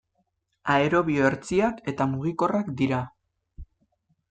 Aerobio hertsiak eta mugikorrak dira.